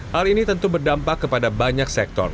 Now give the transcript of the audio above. hal ini tentu berdampak kepada banyak sektor